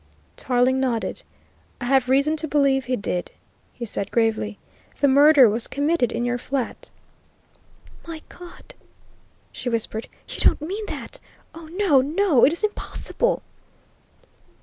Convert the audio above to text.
Tarling nodded. "I have reason to believe he did," he said gravely. "The murder was committed in your flat." "My God!" she whispered. "You don't mean that! Oh, no, no, it is impossible!"